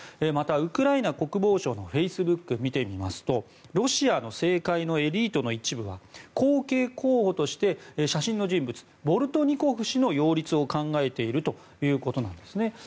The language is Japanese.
また、ウクライナ国防省のフェイスブックを見てみますとロシアの政界のエリートの一部は後継候補として写真の人物、ボルトニコフ氏の擁立を考えているということです